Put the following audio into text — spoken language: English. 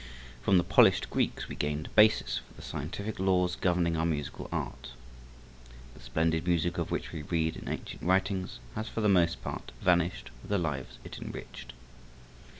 From the polished Greeks we gained a basis for the scientific laws governing our musical art. The splendid music of which we read in ancient writings has for the most part vanished with the lives it enriched.